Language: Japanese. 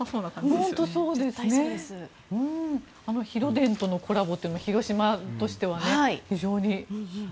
広電とのコラボというのも広島としては非常に。